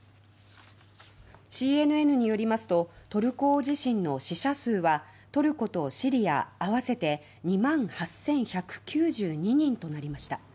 ＣＮＮによりますとトルコ大地震の死者数はトルコとシリア合わせて２万８１９２人となりました。